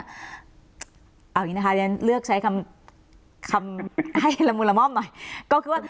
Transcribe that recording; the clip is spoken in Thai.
เอาอย่างนี้นะคะเรียนเลือกใช้คำให้ละมุนละม่อมหน่อยก็คือว่า